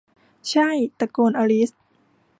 ใช่ !' ตะโกนอลิซ